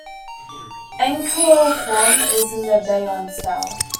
Angkor Thom is in the Bayon style.